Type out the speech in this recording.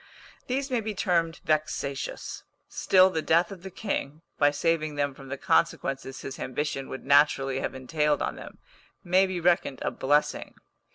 These may be termed vexatious; still the death of the king, by saving them from the consequences his ambition would naturally have entailed on them, may be reckoned a blessing.